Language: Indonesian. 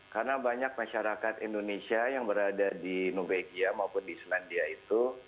karena banyak masyarakat indonesia yang berada di nubegia maupun di senandia itu